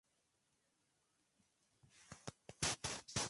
Otrora negocio exótico del mítico 'gitano', hoy lo es del popular 'chino'.